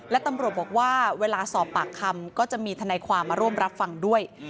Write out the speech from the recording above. และตำรวจบอกว่าเวลาสอบปากคำก็จะมีทนายความมาร่วมรับฟังด้วย